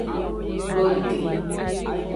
Do egli.